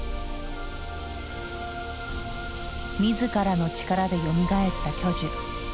自らの力でよみがえった巨樹。